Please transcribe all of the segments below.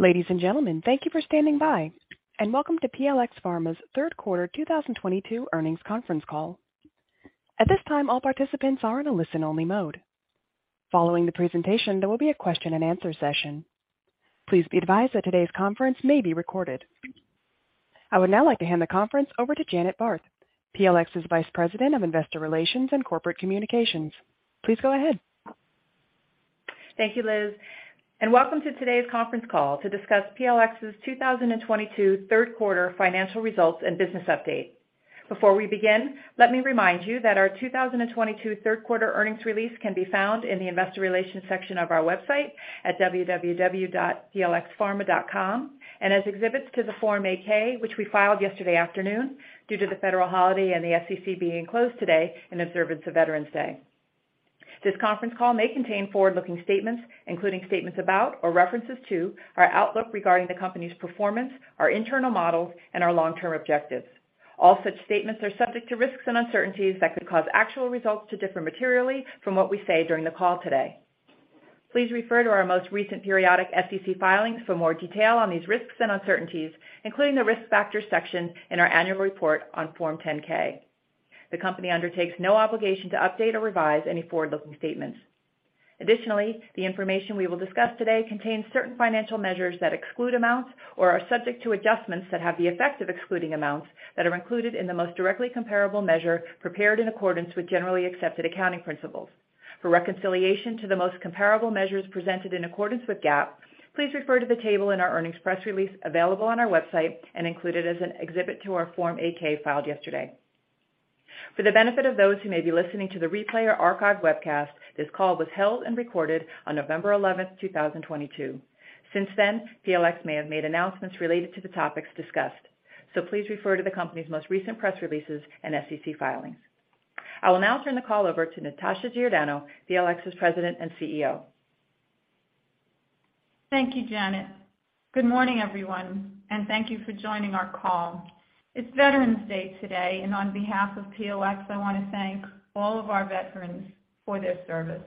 Ladies and gentlemen, thank you for standing by, and welcome to PLx Pharma's Third Quarter 2022 Earnings Conference Call. At this time, all participants are in a listen-only mode. Following the presentation, there will be a question-and-answer session. Please be advised that today's conference may be recorded. I would now like to hand the conference over to Janet Barth, PLx's Vice President of Investor Relations and Corporate Communications. Please go ahead. Thank you, Liz, and welcome to today's conference call to discuss PLx's 2022 third quarter financial results and business update. Before we begin, let me remind you that our 2022 third quarter earnings release can be found in the investor relations section of our website at www.plxpharma.com and as exhibits to the Form 8-K, which we filed yesterday afternoon due to the federal holiday and the SEC being closed today in observance of Veterans Day. This conference call may contain forward-looking statements, including statements about or references to our outlook regarding the company's performance, our internal models, and our long-term objectives. All such statements are subject to risks and uncertainties that could cause actual results to differ materially from what we say during the call today. Please refer to our most recent periodic SEC filings for more detail on these risks and uncertainties, including the risk factors section in our annual report on Form 10-K. The company undertakes no obligation to update or revise any forward-looking statements. Additionally, the information we will discuss today contains certain financial measures that exclude amounts or are subject to adjustments that have the effect of excluding amounts that are included in the most directly comparable measure prepared in accordance with generally accepted accounting principles. For reconciliation to the most comparable measures presented in accordance with GAAP, please refer to the table in our earnings press release available on our website and included as an exhibit to our Form 8-K filed yesterday. For the benefit of those who may be listening to the replay or archived webcast, this call was held and recorded on November 11th, 2022. Since then, PLx may have made announcements related to the topics discussed, so please refer to the company's most recent press releases and SEC filings. I will now turn the call over to Natasha Giordano, PLx's President and CEO. Thank you, Janet. Good morning, everyone, and thank you for joining our call. It's Veterans Day today, and on behalf of PLx, I wanna thank all of our veterans for their service.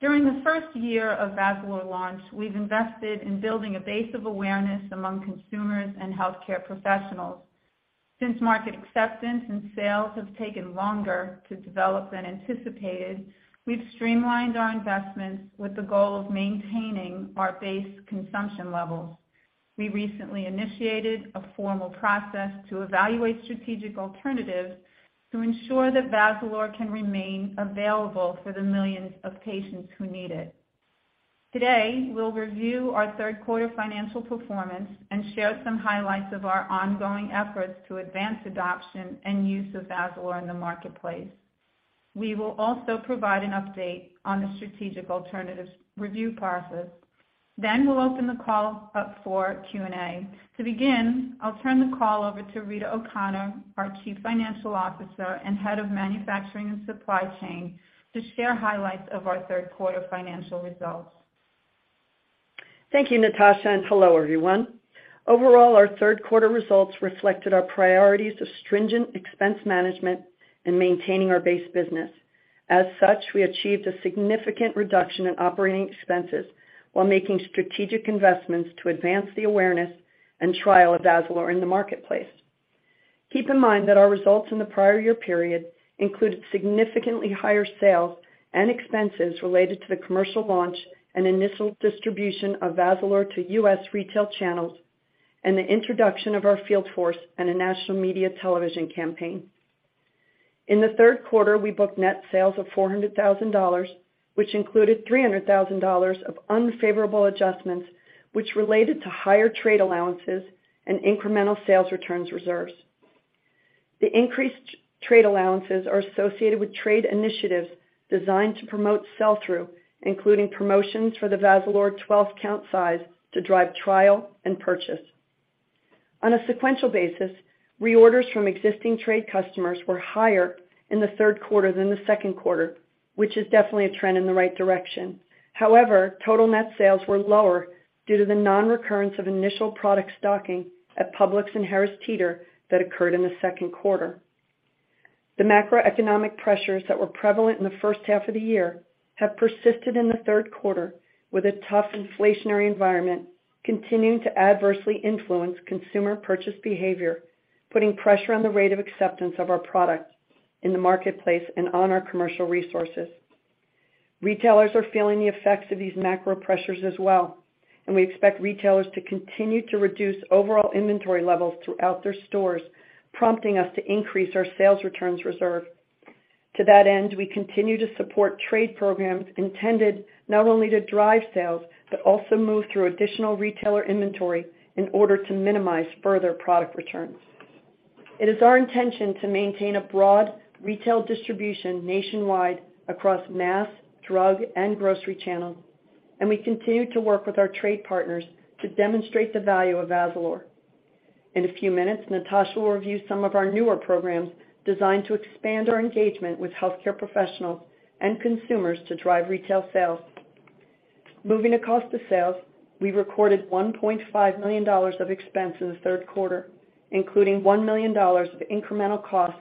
During the first year of VAZALORE launch, we've invested in building a base of awareness among consumers and healthcare professionals. Since market acceptance and sales have taken longer to develop than anticipated, we've streamlined our investments with the goal of maintaining our base consumption levels. We recently initiated a formal process to evaluate strategic alternatives to ensure that VAZALORE can remain available for the millions of patients who need it. Today, we'll review our third quarter financial performance and share some highlights of our ongoing efforts to advance adoption and use of VAZALORE in the marketplace. We will also provide an update on the strategic alternatives review process. We'll open the call up for Q&A. To begin, I'll turn the call over to Rita O'Connor, our Chief Financial Officer and Head of Manufacturing and Supply Chain, to share highlights of our third quarter financial results. Thank you, Natasha, and hello, everyone. Overall, our third quarter results reflected our priorities of stringent expense management and maintaining our base business. As such, we achieved a significant reduction in operating expenses while making strategic investments to advance the awareness and trial of VAZALORE in the marketplace. Keep in mind that our results in the prior year period included significantly higher sales and expenses related to the commercial launch and initial distribution of VAZALORE to U.S. retail channels and the introduction of our field force and a national media television campaign. In the third quarter, we booked net sales of $400 thousand, which included $300 thousand of unfavorable adjustments, which related to higher trade allowances and incremental sales returns reserves. The increased trade allowances are associated with trade initiatives designed to promote sell-through, including promotions for the VAZALORE 12-count size to drive trial and purchase. On a sequential basis, reorders from existing trade customers were higher in the third quarter than the second quarter, which is definitely a trend in the right direction. However, total net sales were lower due to the non-recurrence of initial product stocking at Publix and Harris Teeter that occurred in the second quarter. The macroeconomic pressures that were prevalent in the first half of the year have persisted in the third quarter with a tough inflationary environment continuing to adversely influence consumer purchase behavior, putting pressure on the rate of acceptance of our product in the marketplace and on our commercial resources. Retailers are feeling the effects of these macro pressures as well, and we expect retailers to continue to reduce overall inventory levels throughout their stores, prompting us to increase our sales returns reserve. To that end, we continue to support trade programs intended not only to drive sales, but also move through additional retailer inventory in order to minimize further product returns. It is our intention to maintain a broad retail distribution nationwide across mass, drug, and grocery channels, and we continue to work with our trade partners to demonstrate the value of VAZALORE. In a few minutes, Natasha will review some of our newer programs designed to expand our engagement with healthcare professionals and consumers to drive retail sales. Moving to cost of sales, we recorded $1.5 million of expense in the third quarter, including $1 million of incremental costs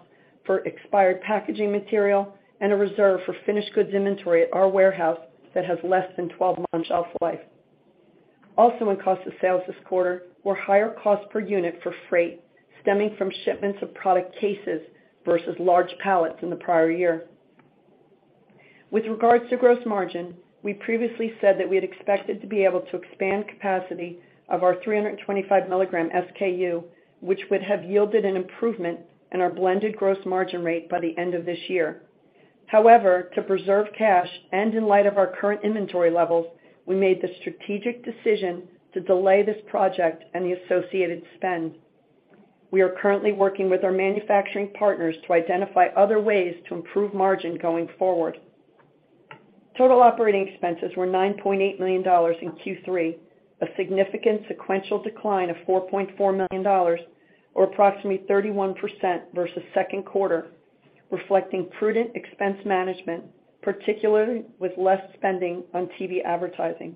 for expired packaging material and a reserve for finished goods inventory at our warehouse that has less than 12 months shelf life. Also in cost of sales this quarter were higher cost per unit for freight stemming from shipments of product cases versus large pallets in the prior-year. With regards to gross margin, we previously said that we had expected to be able to expand capacity of our 325 mg SKU, which would have yielded an improvement in our blended gross margin rate by the end of this year. However, to preserve cash and in light of our current inventory levels, we made the strategic decision to delay this project and the associated spend. We are currently working with our manufacturing partners to identify other ways to improve margin going forward. Total operating expenses were $9.8 million in Q3, a significant sequential decline of $4.4 million or approximately 31% versus second quarter, reflecting prudent expense management, particularly with less spending on TV advertising.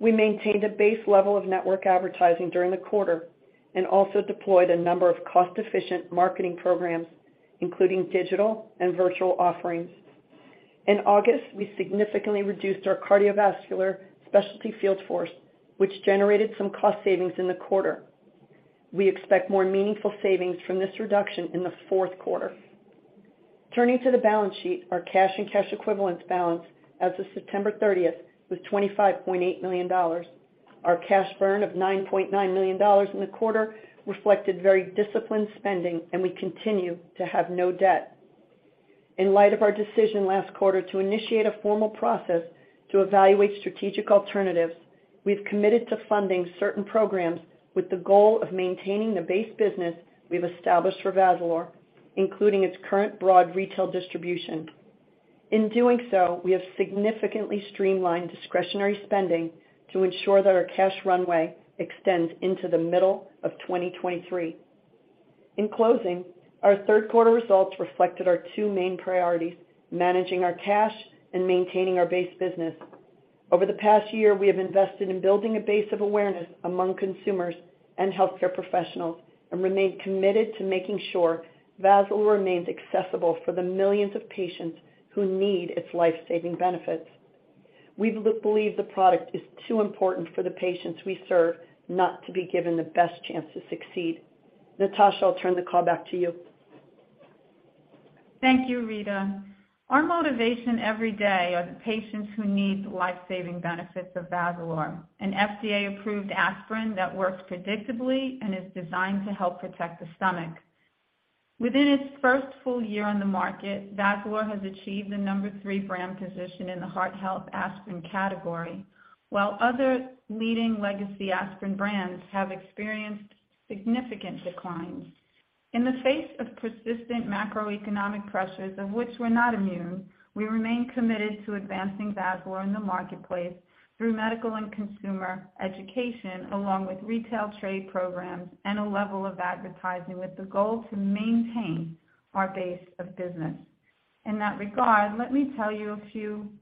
We maintained a base level of network advertising during the quarter and also deployed a number of cost-efficient marketing programs, including digital and virtual offerings. In August, we significantly reduced our cardiovascular specialty field force, which generated some cost savings in the quarter. We expect more meaningful savings from this reduction in the fourth quarter. Turning to the balance sheet, our cash and cash equivalents balance as of September thirtieth was $25.8 million. Our cash burn of $9.9 million in the quarter reflected very disciplined spending, and we continue to have no debt. In light of our decision last quarter to initiate a formal process to evaluate strategic alternatives, we've committed to funding certain programs with the goal of maintaining the base business we've established for VAZALORE, including its current broad retail distribution. In doing so, we have significantly streamlined discretionary spending to ensure that our cash runway extends into the middle of 2023. In closing, our third quarter results reflected our two main priorities, managing our cash and maintaining our base business. Over the past year, we have invested in building a base of awareness among consumers and healthcare professionals and remain committed to making sure VAZALORE remains accessible for the millions of patients who need its life-saving benefits. We believe the product is too important for the patients we serve not to be given the best chance to succeed. Natasha, I'll turn the call back to you. Thank you, Rita. Our motivation every day are the patients who need the life-saving benefits of VAZALORE, an FDA-approved aspirin that works predictably and is designed to help protect the stomach. Within its first full year on the market, VAZALORE has achieved the number three brand position in the heart health aspirin category, while other leading legacy aspirin brands have experienced significant declines. In the face of persistent macroeconomic pressures, of which we're not immune, we remain committed to advancing VAZALORE in the marketplace through medical and consumer education, along with retail trade programs and a level of advertising with the goal to maintain our base of business. In that regard, let me tell you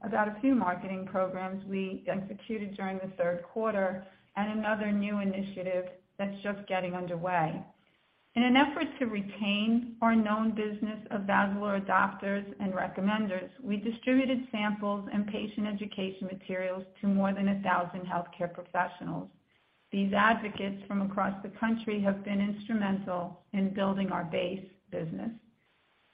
about a few marketing programs we executed during the third quarter and another new initiative that's just getting underway. In an effort to retain our known business of VAZALORE adopters and recommenders, we distributed samples and patient education materials to more than 1,000 healthcare professionals. These advocates from across the country have been instrumental in building our base business.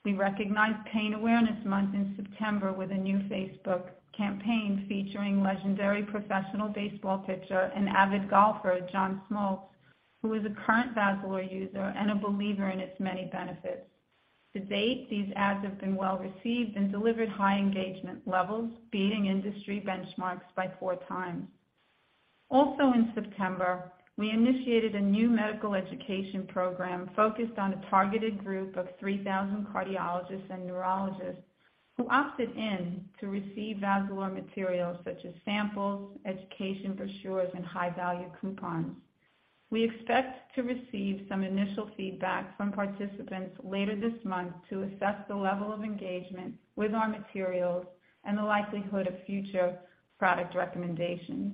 We recognized Pain Awareness Month in September with a new Facebook campaign featuring legendary professional baseball pitcher and avid golfer, John Smoltz, who is a current VAZALORE user and a believer in its many benefits. To date, these ads have been well-received and delivered high engagement levels, beating industry benchmarks by 4x. Also in September, we initiated a new medical education program focused on a targeted group of 3,000 cardiologists and neurologists who opted in to receive VAZALORE materials such as samples, education brochures, and high-value coupons. We expect to receive some initial feedback from participants later this month to assess the level of engagement with our materials and the likelihood of future product recommendations.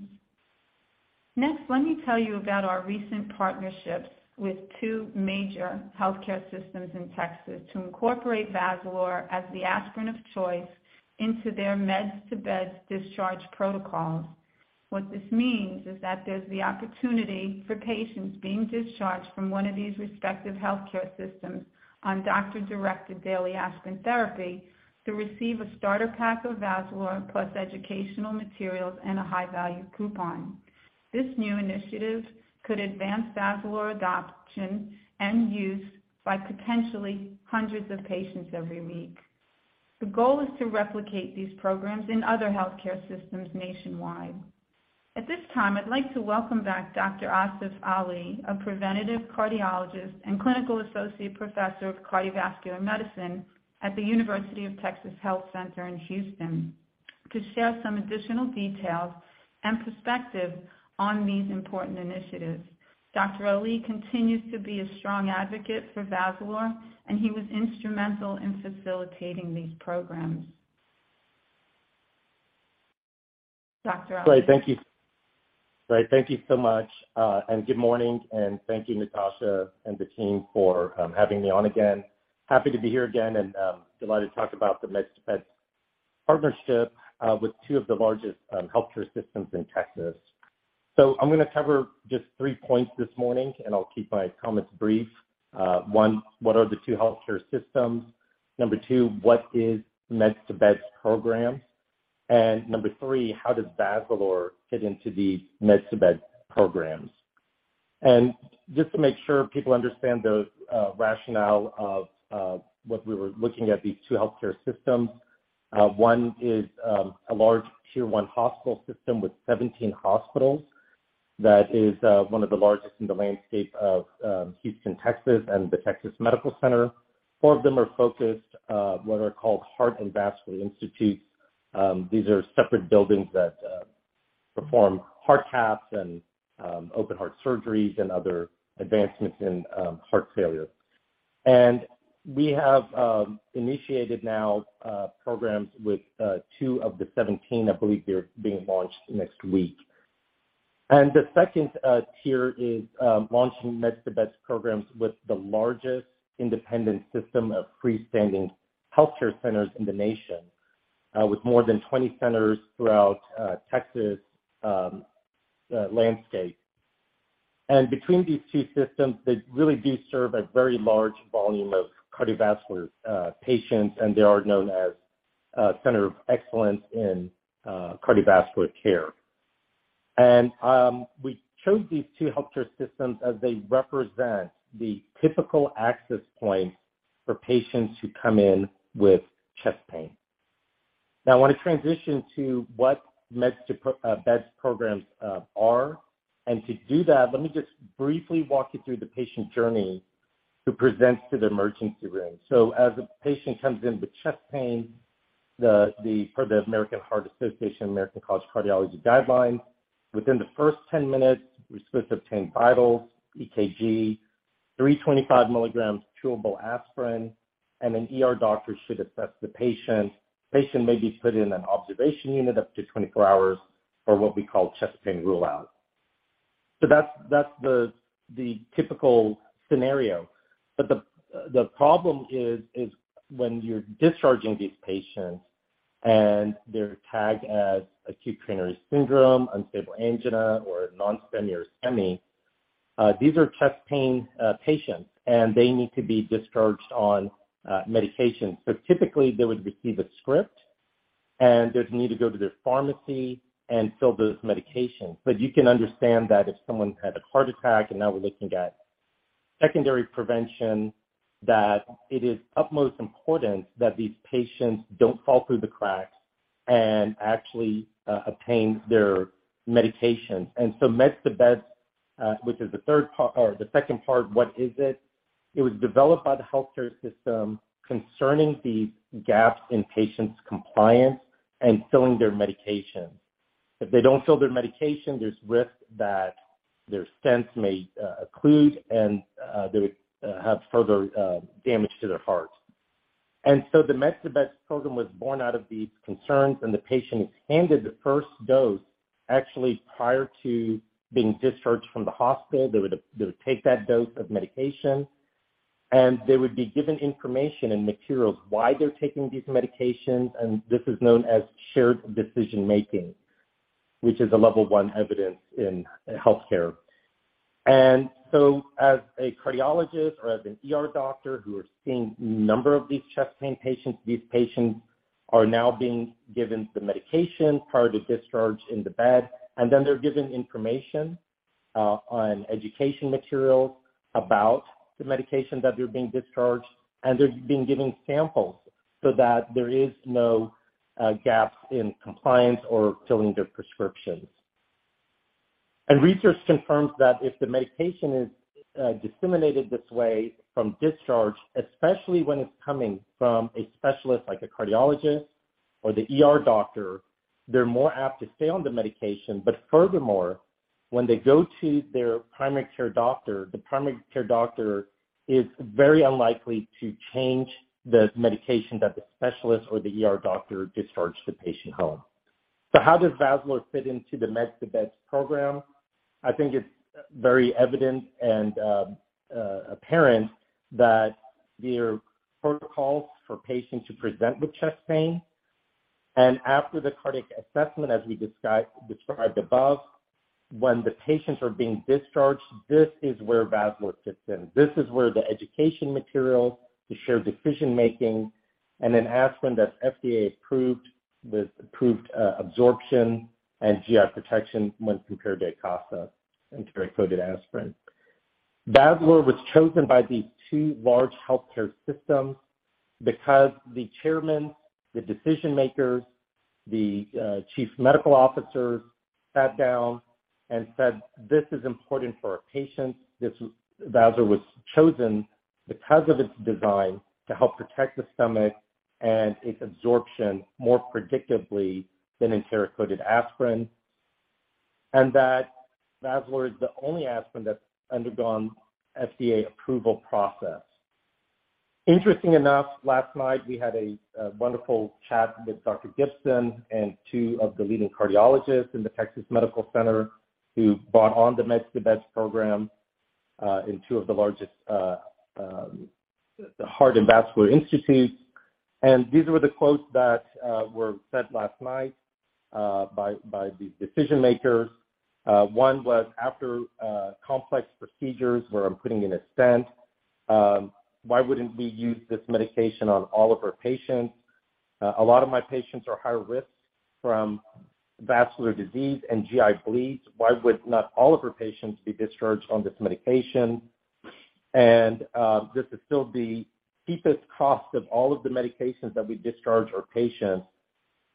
Next, let me tell you about our recent partnerships with two major healthcare systems in Texas to incorporate VAZALORE as the aspirin of choice into their Meds to Beds discharge protocols. What this means is that there's the opportunity for patients being discharged from one of these respective healthcare systems on doctor-directed daily aspirin therapy to receive a starter pack of VAZALORE plus educational materials and a high-value coupon. This new initiative could advance VAZALORE adoption and use by potentially hundreds of patients every week. The goal is to replicate these programs in other healthcare systems nationwide. At this time, I'd like to welcome back Dr. Asif Ali, a preventative cardiologist and clinical associate professor of cardiovascular medicine at the University of Texas Health Science Center at Houston, to share some additional details and perspective on these important initiatives. Dr. Ali continues to be a strong advocate for VAZALORE, and he was instrumental in facilitating these programs. Great. Thank you so much, and good morning, and thank you, Natasha and the team for having me on again. Happy to be here again and delighted to talk about the Meds to Beds partnership with two of the largest healthcare systems in Texas. I'm gonna cover just three points this morning, and I'll keep my comments brief. One, what are the two healthcare systems? Number two, what is Meds to Beds programs? Number three, how does VAZALORE fit into the Meds to Beds programs? Just to make sure people understand the rationale of what we were looking at these two healthcare systems, one is a large Tier 1 hospital system with 17 hospitals that is one of the largest in the landscape of Houston, Texas, and the Texas Medical Center. Four of them are focused on what are called heart and vascular institutes. These are separate buildings that perform heart cath and open-heart surgeries and other advancements in heart failure. We have now initiated programs with two of the 17. I believe they're being launched next week. The second tier is launching Meds to Beds programs with the largest independent system of freestanding healthcare centers in the nation with more than 20 centers throughout Texas landscape. Between these two systems, they really do serve a very large volume of cardiovascular patients, and they are known as a center of excellence in cardiovascular care. We chose these two healthcare systems as they represent the typical access points for patients who come in with chest pain. Now I wanna transition to what Meds to Beds programs are. To do that, let me just briefly walk you through the patient journey who presents to the emergency room. As a patient comes in with chest pain, for the American Heart Association, American College of Cardiology guidelines, within the first 10 minutes, we're supposed to obtain vitals, EKG, 325 milligrams chewable aspirin, and an ER doctor should assess the patient. Patient may be put in an observation unit up to 24 hours for what we call chest pain rule out. That's the typical scenario. The problem is when you're discharging these patients and they're tagged as acute coronary syndrome, unstable angina or NSTEMI or STEMI, these are chest pain patients, and they need to be discharged on medication. Typically, they would receive a script, and they'd need to go to their pharmacy and fill those medications. You can understand that if someone had a heart attack and now we're looking at Secondary Prevention, that it is utmost important that these patients don't fall through the cracks and actually obtain their medications. Meds to Beds. It was developed by the healthcare system concerning the gaps in patients' compliance and filling their medications. If they don't fill their medication, there's risk that their stents may occlude, and they would have further damage to their heart. The Meds to Beds program was born out of these concerns, and the patient is handed the first dose actually prior to being discharged from the hospital. They would take that dose of medication, and they would be given information and materials why they're taking these medications, and this is known as shared decision-making, which is a level one evidence in healthcare. As a cardiologist or as an ER doctor who are seeing a number of these chest pain patients, these patients are now being given the medication prior to discharge in the bed. Then they're given information on education materials about the medication that they're being discharged, and they're being given samples so that there is no gaps in compliance or filling their prescriptions. Research confirms that if the medication is disseminated this way from discharge, especially when it's coming from a specialist like a cardiologist or the ER doctor, they're more apt to stay on the medication. Furthermore, when they go to their primary care doctor, the primary care doctor is very unlikely to change the medication that the specialist or the ER doctor discharged the patient home. How does VAZALORE fit into the Meds to Beds program? I think it's very evident and apparent that there are protocols for patients who present with chest pain. After the cardiac assessment, as we described above, when the patients are being discharged, this is where VAZALORE fits in. This is where the education material, the shared decision-making, and an aspirin that's FDA approved with approved absorption and GI protection when compared to Ecotrin, enteric coated aspirin. VAZALORE was chosen by these two large healthcare systems because the chairman, the decision-makers, the chief medical officers sat down and said, "This is important for our patients." This VAZALORE was chosen because of its design to help protect the stomach and its absorption more predictably than enteric coated aspirin. That VAZALORE is the only aspirin that's undergone FDA approval process. Interesting enough, last night we had a wonderful chat with Dr. Gibson and two of the leading cardiologists in the Texas Medical Center who bought on the Meds to Beds program in two of the largest heart and vascular institutes. These were the quotes that were said last night by these decision makers. One was after complex procedures where I'm putting in a stent, why wouldn't we use this medication on all of our patients? A lot of my patients are high risk from vascular disease and GI bleeds. Why would not all of our patients be discharged on this medication? This is still the cheapest cost of all of the medications that we discharge our patients.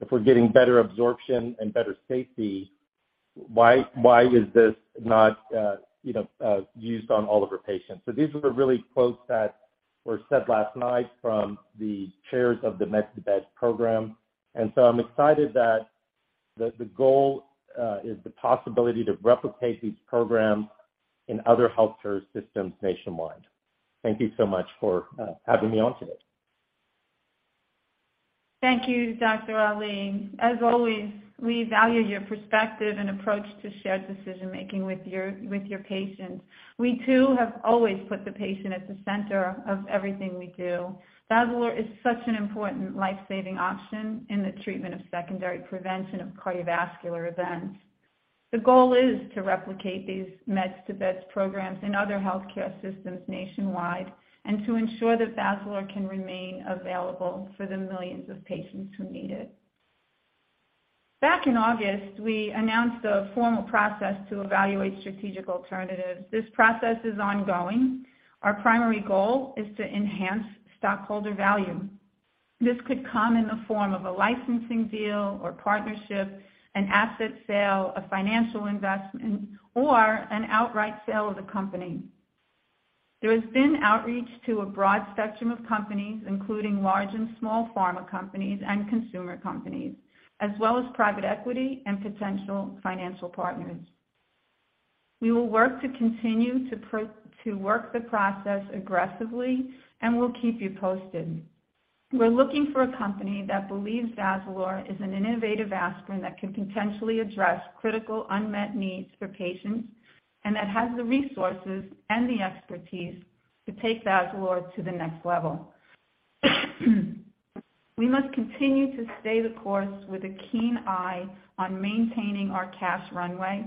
If we're getting better absorption and better safety, why is this not, you know, used on all of our patients? These were really quotes that were said last night from the chairs of the Meds to Beds program. I'm excited that the goal is the possibility to replicate these programs in other healthcare systems nationwide. Thank you so much for having me on today. Thank you, Dr. Ali. As always, we value your perspective and approach to shared decision-making with your patients. We, too, have always put the patient at the center of everything we do. VAZALORE is such an important life-saving option in the treatment of Secondary Prevention of cardiovascular events. The goal is to replicate these Meds to Beds programs in other healthcare systems nationwide and to ensure that VAZALORE can remain available for the millions of patients who need it. Back in August, we announced a formal process to evaluate strategic alternatives. This process is ongoing. Our primary goal is to enhance stockholder value. This could come in the form of a licensing deal or partnership, an asset sale, a financial investment, or an outright sale of the company. There has been outreach to a broad spectrum of companies, including large and small pharma companies and consumer companies, as well as private equity and potential financial partners. We will continue to work the process aggressively, and we'll keep you posted. We're looking for a company that believes VAZALORE is an innovative aspirin that can potentially address critical unmet needs for patients and that has the resources and the expertise to take VAZALORE to the next level. We must continue to stay the course with a keen eye on maintaining our cash runway,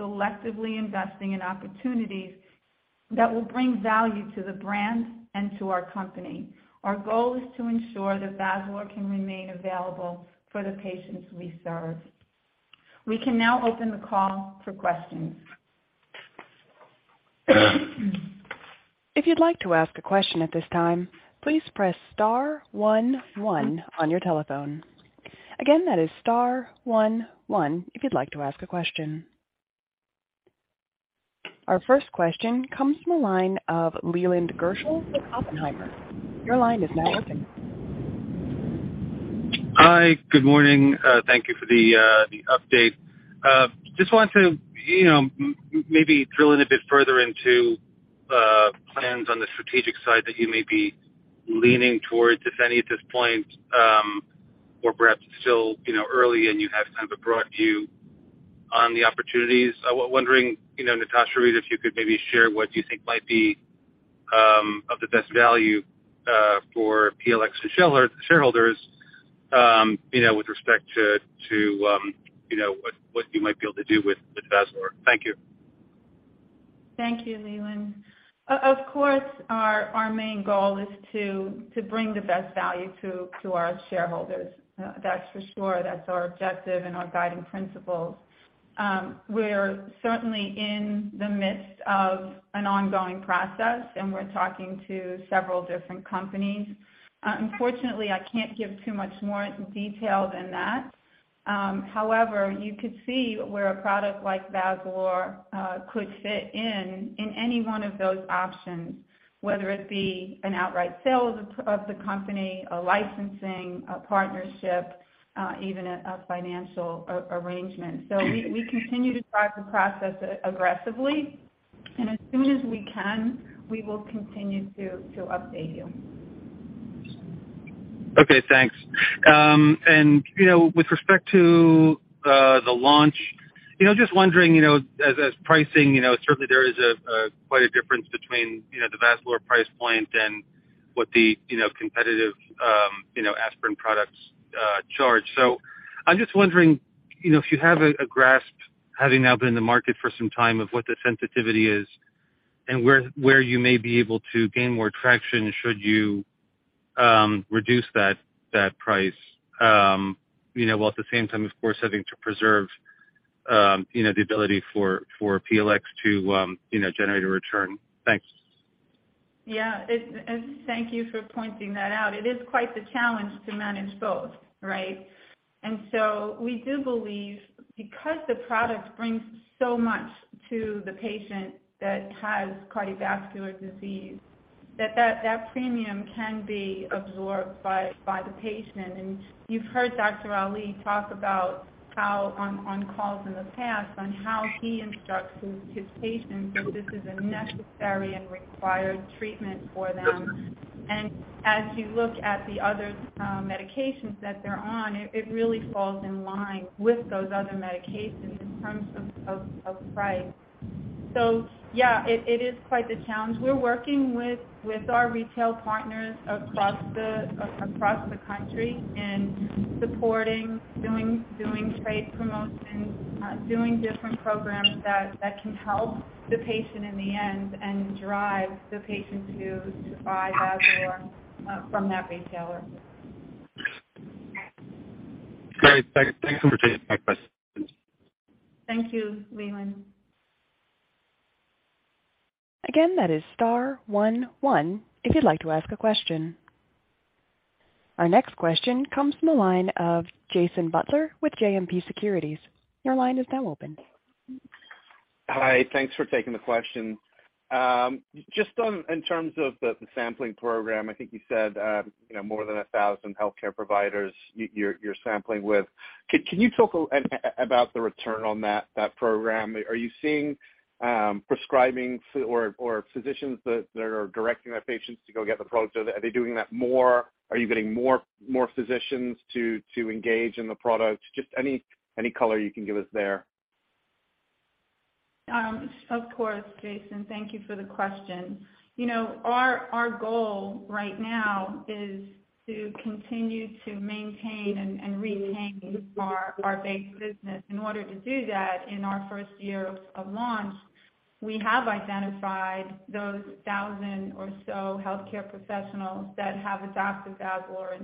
selectively investing in opportunities that will bring value to the brand and to our company. Our goal is to ensure that VAZALORE can remain available for the patients we serve. We can now open the call for questions. If you'd like to ask a question at this time, please press star one one on your telephone. Again, that is star one one if you'd like to ask a question. Our first question comes from the line of Leland Gershell with Oppenheimer. Your line is now open. Hi, good morning. Thank you for the update. Just want to, you know, maybe drill in a bit further into plans on the strategic side that you may be leaning towards, if any, at this point, or perhaps it's still, you know, early and you have kind of a broad view on the opportunities. I was wondering, you know, Natasha, Rita, if you could maybe share what you think might be of the best value for PLx shareholders, you know, with respect to what you might be able to do with VAZALORE. Thank you. Thank you, Leland. Of course, our main goal is to bring the best value to our shareholders. That's for sure. That's our objective and our guiding principles. We're certainly in the midst of an ongoing process, and we're talking to several different companies. Unfortunately, I can't give too much more detail than that. However, you could see where a product like VAZALORE could fit in any one of those options, whether it be an outright sale of the company, a licensing, a partnership, even a financial arrangement. We continue to drive the process aggressively, and as soon as we can, we will continue to update you. Okay, thanks. You know, with respect to the launch, you know, just wondering, you know, as pricing, you know, certainly there is quite a difference between, you know, the VAZALORE price point and what the, you know, competitive, you know, aspirin products charge. I'm just wondering, you know, if you have a grasp, having now been in the market for some time, of what the sensitivity is and where you may be able to gain more traction should you reduce that price. You know, while at the same time, of course, having to preserve, you know, the ability for PLx to generate a return. Thanks. Yeah, thank you for pointing that out. It is quite the challenge to manage both, right? We do believe because the product brings so much to the patient that has cardiovascular disease that premium can be absorbed by the patient. You've heard Dr. Ali talk about how on calls in the past, on how he instructs his patients that this is a necessary and required treatment for them. As you look at the other medications that they're on, it really falls in line with those other medications in terms of price. Yeah, it is quite the challenge. We're working with our retail partners across the country in supporting, doing trade promotions, doing different programs that can help the patient in the end and drive the patient to buy VAZALORE from that retailer. Great. Thanks for taking my questions. Thank you, Leland. Again, that is star one one if you'd like to ask a question. Our next question comes from the line of Jason Butler with JMP Securities. Your line is now open. Hi. Thanks for taking the question. Just on, in terms of the sampling program, I think you said, you know, more than 1,000 healthcare providers you're sampling with. Can you talk about the return on that program? Are you seeing prescribing for or physicians that are directing their patients to go get the product? Are they doing that more? Are you getting more physicians to engage in the product? Just any color you can give us there. Of course, Jason, thank you for the question. You know, our goal right now is to continue to maintain and retain our base business. In order to do that, in our first year of launch, we have identified those 1,000 or so healthcare professionals that have adopted VAZALORE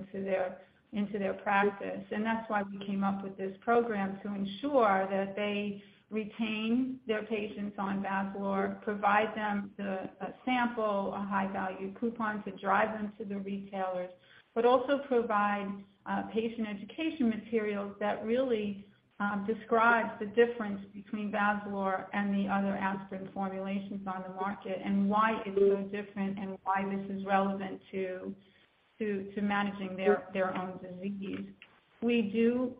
into their practice. That's why we came up with this program to ensure that they retain their patients on VAZALORE, provide them a sample, a high value coupon to drive them to the retailers, but also provide patient education materials that really describes the difference between VAZALORE and the other aspirin formulations on the market, and why it's so different and why this is relevant to managing their own diseases. We do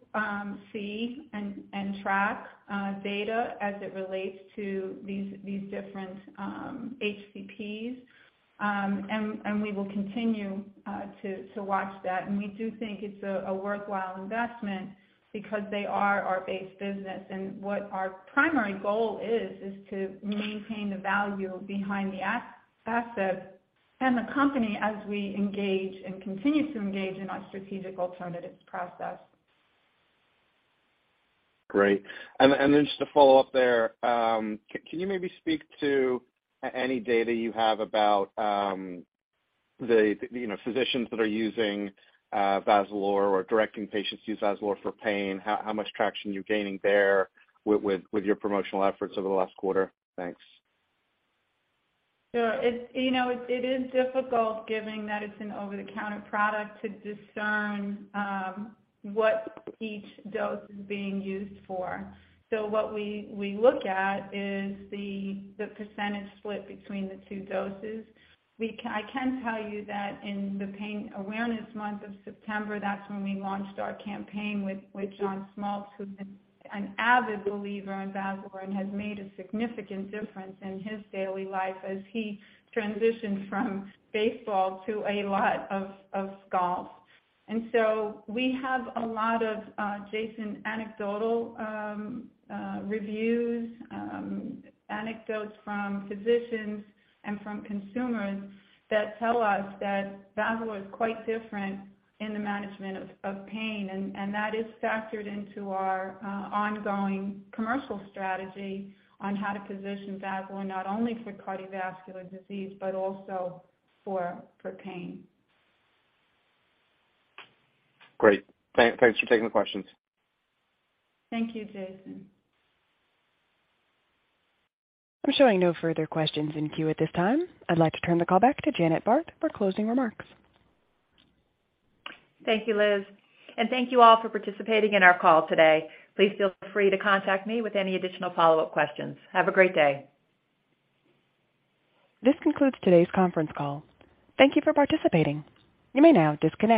see and track data as it relates to these different HCPs. We will continue to watch that. We do think it's a worthwhile investment because they are our base business. What our primary goal is to maintain the value behind the asset and the company as we engage and continue to engage in our strategic alternatives process. Great. Just to follow up there, can you maybe speak to any data you have about the you know physicians that are using VAZALORE or directing patients to use VAZALORE for pain, how much traction you're gaining there with your promotional efforts over the last quarter? Thanks. Sure. It's, you know, it is difficult given that it's an over-the-counter product to discern what each dose is being used for. What we look at is the percentage split between the two doses. I can tell you that in the Pain Awareness Month of September, that's when we launched our campaign with John Smoltz, who's been an avid believer in VAZALORE and has made a significant difference in his daily life as he transitions from baseball to a lot of golf. We have a lot of—Jason, anecdotal reviews anecdotes from physicians and from consumers that tell us that VAZALORE is quite different in the management of pain. That is factored into our ongoing commercial strategy on how to position VAZALORE not only for cardiovascular disease, but also for pain. Great. Thanks for taking the questions. Thank you, Jason. I'm showing no further questions in queue at this time. I'd like to turn the call back to Janet Barth for closing remarks. Thank you, Liz. Thank you all for participating in our call today. Please feel free to contact me with any additional follow-up questions. Have a great day. This concludes today's conference call. Thank you for participating. You may now disconnect.